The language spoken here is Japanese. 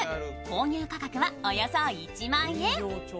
購入価格はおよそ１万円。